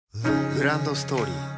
グランドストーリー